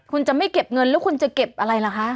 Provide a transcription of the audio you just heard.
คุณจะไม่เก็บเงินแล้วคุณจะเก็บอะไรล่ะคะ